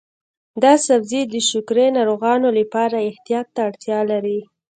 دا سبزی د شکرې ناروغانو لپاره احتیاط ته اړتیا لري.